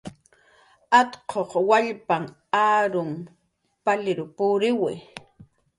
Atquq wallpanh arum palir puriwi.